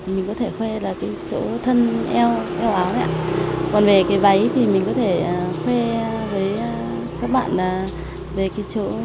mình có thể khuê là cái chỗ thân eo áo đấy ạ còn về cái váy thì mình có thể khuê với các bạn là về cái chỗ hoa hoa váy